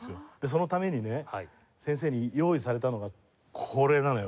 そのためにね先生に用意されたのがこれなのよ。